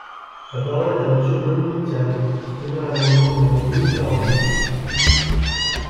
La parole est à Monsieur Dominique Tian, pour soutenir l’amendement numéro mille quarante-huit.